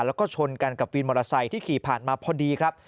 และชนกับวินมอเตอร์ไซน์ที่ขี่ผ่านมาพอดี